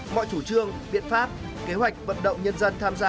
mọi chủ trương biện pháp kế hoạch vận động nhân dân tham gia